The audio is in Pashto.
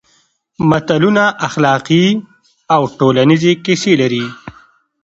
متلونه اخلاقي او ټولنیزې کیسې لري